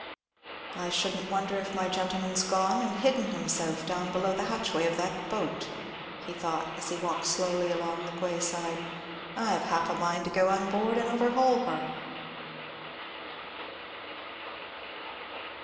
"I shouldn't wonder if my gentleman's gone and hidden himself down below the hatchway of that boat," he thought, as he walked slowly along the quay side. "I've half a mind to go on board and overhaul her."